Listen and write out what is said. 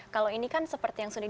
kalau ini kan seperti yang sudah